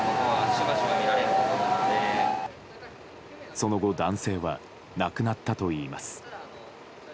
その後、男性は亡くなったといいます。